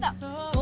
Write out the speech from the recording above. お！